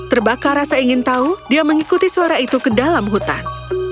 terbakar rasa ingin tahu dia mengikuti suara itu ke dalam hutan